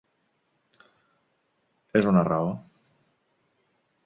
És una raó.